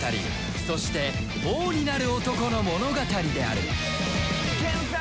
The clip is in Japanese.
そして王になる男の物語である